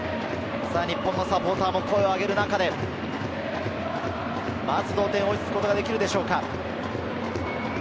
日本のサポーターも声をあげる中で、まず同点に追いつくことができるでしょうか。